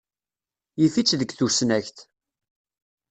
Yif-itt deg tusnakt.